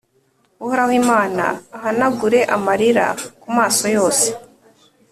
Uhoraho Imana, ahanagure amarira ku maso yose,